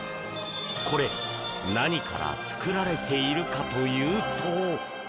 これ、何から作られているかというと。